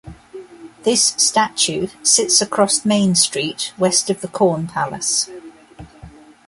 This statue sits across Main Street, west of the Corn Palace.